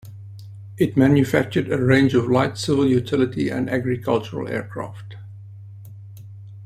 It manufactured a range of light civil utility and agricultural aircraft.